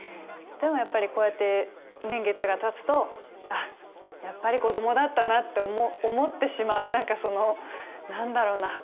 でもやっぱりこうやって年月がたつとあっやっぱり子供だったなって思ってしまう何かその何だろうな？